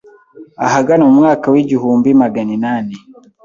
Ahagana mu mwaka wi igihumbi maganinani